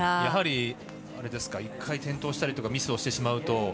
やはり１回、転倒したりミスをしてしまうと。